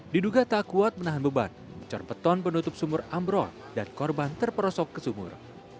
diduga tak kuat menahan beban corpeton penutup sumur ambrol dan korban terperosok ke sumur